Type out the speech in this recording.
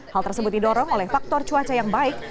hal tersebut didorong oleh faktor cuaca yang baik